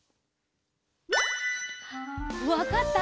わかった？